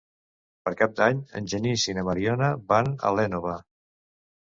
Per Cap d'Any en Genís i na Mariona van a l'Énova.